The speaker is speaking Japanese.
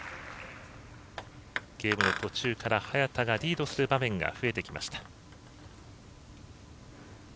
ゲームの途中から、早田がリードする場面が増えてきました。